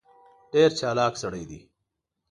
ډېر چالاک سړی دی.